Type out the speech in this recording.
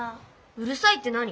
うるいさいって何？